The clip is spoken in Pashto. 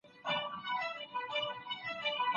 هغه په ډېر قاطعیت سره وویل.